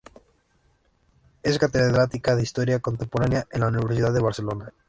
Es catedrática de Historia Contemporánea en la Universidad de Barcelona.